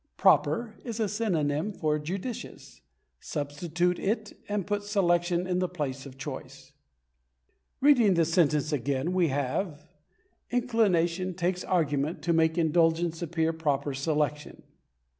"Proper" is a synonym for "judicious"; substitute it, and put "selection" in the place of "choice." Reading the sentence again we have: "Inclination takes argument to make indulgence appear proper selection."